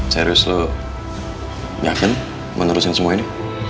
serius lo yakin gue nerusin semua ini